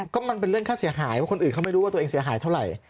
ก็มันเป็นเรื่องค่าเสียหายเพราะคนอื่นเขาไม่รู้ว่าตัวเองเสียหายเท่าไหร่